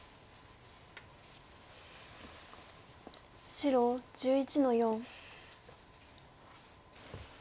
白１１の四。